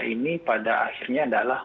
ini pada akhirnya adalah